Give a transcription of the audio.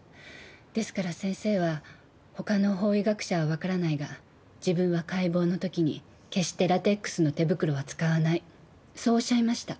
ですから先生は他の法医学者はわからないが自分は解剖の時に決してラテックスの手袋は使わないそうおっしゃいました。